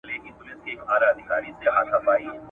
نور به یې نه کوې پوښتنه چي د چا کلی دی ,